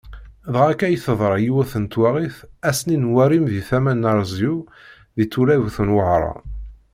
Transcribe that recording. Dɣa akka i teḍra yiwet n twaɣit ass-nni n warim deg tama n Arezyu deg twilayt n Wehran.